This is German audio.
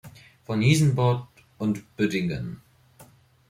Von Ysenburg und Büdingen.